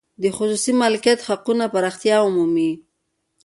د خصوصي مالکیت حقونه پراختیا ومومي.